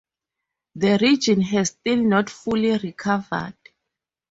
The region has still not fully recovered.